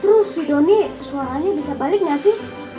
terus si doni suaranya bisa balik nggak sih